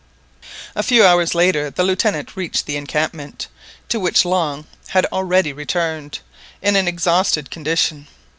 A few hours later the Lieutenant reached the encampment, to which Long had already returned, in an exhausted condition.